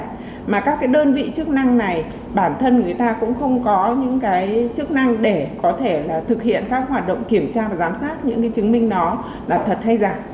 nhưng các chứng minh nhân dân này bản thân người ta cũng không có những chức năng để có thể thực hiện các hoạt động kiểm tra và giám sát những chứng minh đó là thật hay giả